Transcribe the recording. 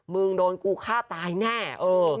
มึงโดนกูฆ่าตายแน่เออ